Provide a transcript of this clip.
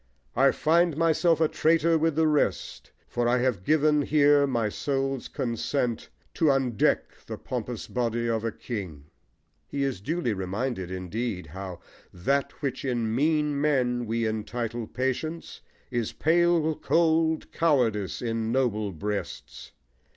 I find myself a traitor with the rest, For I have given here my soul's consent To undeck the pompous body of a king. He is duly reminded, indeed, how That which in mean men we entitle patience Is pale cold cowardice in noble breasts.